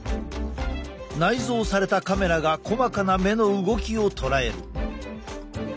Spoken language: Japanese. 内蔵されたカメラが細かな目の動きを捉える。